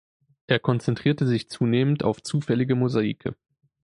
Er konzentrierte sich zunehmend auf zufällige Mosaike.